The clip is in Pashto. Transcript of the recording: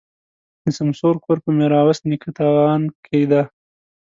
د سمسور کور په ميروایس نیکه تاون کي دی.